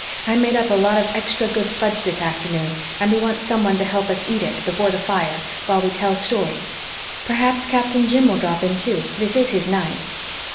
"I made up a lot of extra good fudge this afternoon and we want someone to help us eat it before the fire while we tell stories. Perhaps Captain Jim will drop in, too. This is his night."